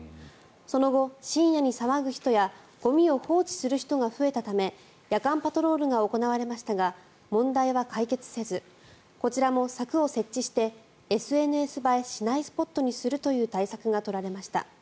その後、深夜に騒ぐ人やゴミを放置する人が増えたため夜間パトロールが行われましたが問題は解決せずこちらも柵を設置してＳＮＳ映えしないスポットにするという対策が取られました。